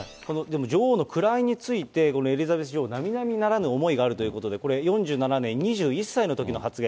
女王の位について、このエリザベス女王、なみなみならぬ思いがあるということで、これ４７年、２１歳のときの発言。